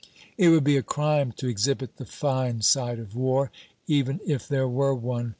"It would be a crime to exhibit the fine side of war, even if there were one!"